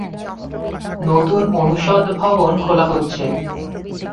নতুন অনুষদ ভবন খোলা হচ্ছে।